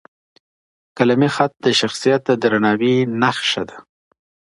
قلمي خط د شخصیت د درناوي نښه ده.